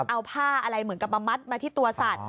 เอาผ้าอะไรเหมือนกับมามัดมาที่ตัวสัตว์